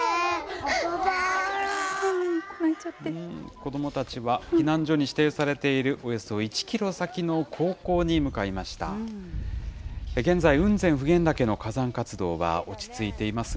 子どもたちは避難所に指定されている、およそ１キロ先の高校に向かいました。